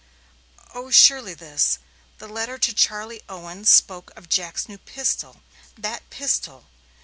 "Oh surely this. The letter to Charley Owen spoke of Jack's new pistol that pistol.